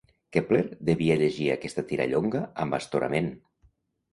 Kepler devia llegir aquesta tirallonga amb astorament.